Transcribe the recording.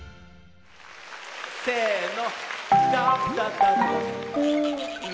せの。